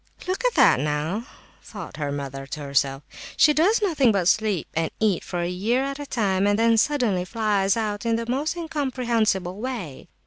"Look at that, now," thought the mother to herself, "she does nothing but sleep and eat for a year at a time, and then suddenly flies out in the most incomprehensible way!"